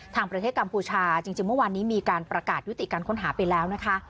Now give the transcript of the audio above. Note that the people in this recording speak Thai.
ทางประเทศกัมพูชาจริงเมื่อวานนี้มีการประกาศยุติการค้นหาไปแล้วนะคะ